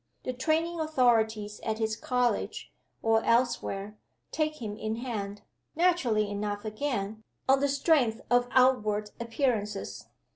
The training authorities at his college, or elsewhere, take him in hand (naturally enough again) on the strength of outward appearances.